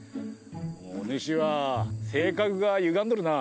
お主は性格がゆがんどるな。